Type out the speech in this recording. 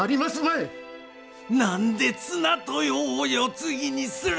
何で綱豊を世継ぎにするんや。